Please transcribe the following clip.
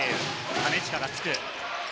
金近がつく。